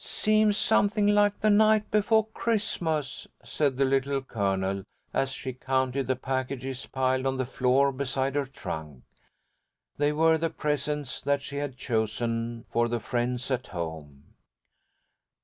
"Seems something like the night befo' Christmas," said the Little Colonel, as she counted the packages piled on the floor beside her trunk. They were the presents that she had chosen for the friends at home.